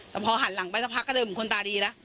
แต่พอหันหลังไปสักพักก็เดินเหมือนคนตาดีแล้ว